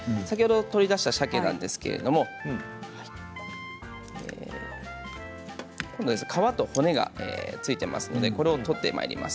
取り出したさけですけれど皮と骨が付いていますのでこれを取ってまいります。